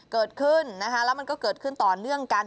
เกิดขึ้นนะคะแล้วมันก็เกิดขึ้นต่อเนื่องกัน